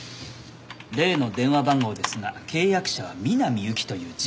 例の電話番号ですが契約者は南侑希という人物でした。